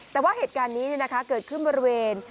แต่ว่าเหตุการณ์นี้เกิดขึ้นบริเวณ